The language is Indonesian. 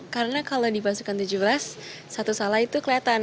karena kalau di pasokan tujuh belas satu salah itu kelihatan